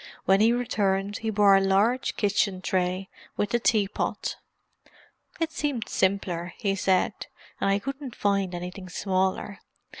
When he returned, he bore a large kitchen tray, with the teapot. "It seemed simpler," he said. "And I couldn't find anything smaller.